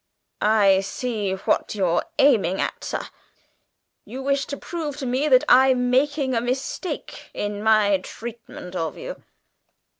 "I see what you're aiming at, sir. You wish to prove to me that I'm making a mistake in my treatment of you."